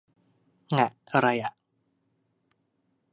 ง่ะ อะไรอ่ะ